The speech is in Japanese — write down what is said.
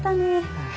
ああ。